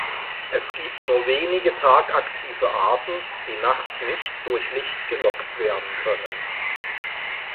Es gibt nur wenige tagaktive Arten, die nachts nicht durch Licht gelockt werden können.